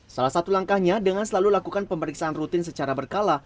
salah satu langkahnya dengan selalu lakukan pemeriksaan rutin secara berkala